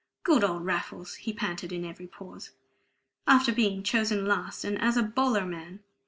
"Good old Raffles!" he panted in every pause. "After being chosen last, and as a bowler man!